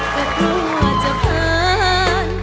แต่เพราะจะผ่าน